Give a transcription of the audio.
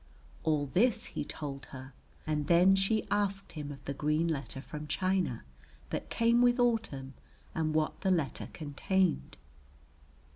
All this he told her; and then she asked him of the green letter from China, that came with autumn, and what the letter contained.